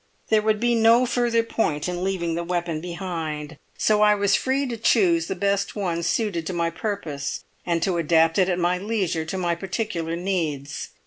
There would be no further point in leaving the weapon behind, so I was free to choose the one best suited to my purpose, and to adapt it at my leisure to my peculiar needs.